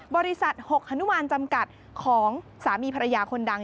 บริษัท๖ฮนุมานจำกัดของสามีภรรยาคนดัง